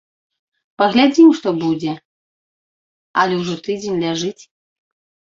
Паглядзім, што будзе, але ўжо тыдзень ляжыць.